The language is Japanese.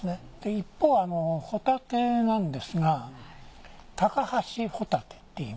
一方ホタテなんですがタカハシホタテっていいます。